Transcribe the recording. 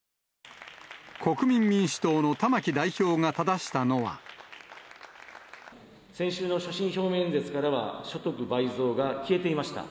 国民民主党の玉木代表がただ先週の所信表明演説からは、所得倍増計画が消えていました。